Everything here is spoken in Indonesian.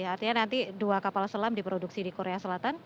artinya nanti dua kapal selam diproduksi di korea selatan